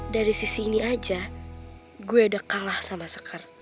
dari sisi ini aja gue udah kalah sama sekar